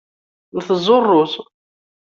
Nteẓẓu rruẓ.